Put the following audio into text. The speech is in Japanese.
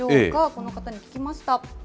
この方に聞きました。